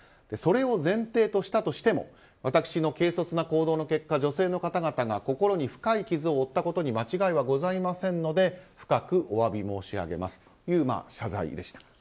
それを前提としたとしても私の軽率な行動の結果女性の方々が心に深い傷を負ったことに間違いはございませんので深くお詫び申し上げますという謝罪でした。